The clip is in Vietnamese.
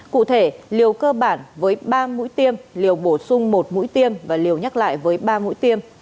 cụ thể liều cơ bản với ba mũi tiêm liều bổ sung một mũi tiêm và liều nhắc lại với ba mũi tiêm